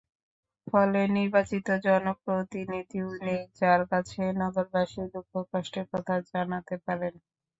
ফলে নির্বাচিত জনপ্রতিনিধিও নেই, যাঁর কাছে নগরবাসী দুঃখ-কষ্টের কথা জানাতে পারেন।